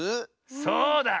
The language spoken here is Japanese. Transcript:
そうだ！